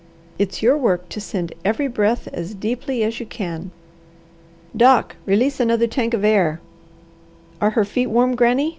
It's your work to send every breath as deeply as you can. Doc, release another tank of air. Are her feet warm, Granny?